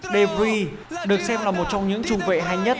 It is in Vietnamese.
de vries được xem là một trong những trung vệ hay nhất